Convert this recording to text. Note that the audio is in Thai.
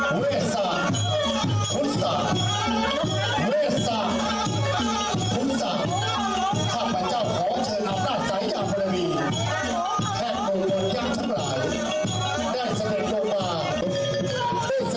ลุกมาสู่โลหะพิธีด้วยเธอพระเจ้าค่ะ